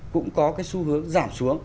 cũng có cái xu hướng giảm xuống